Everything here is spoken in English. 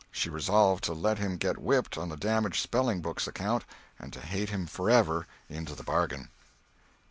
She resolved to let him get whipped on the damaged spelling book's account, and to hate him forever, into the bargain.